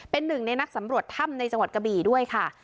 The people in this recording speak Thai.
เป็นหนึ่งในนักสำรวจถ้ำในจังหวัดกะบี่ด้วยค่ะ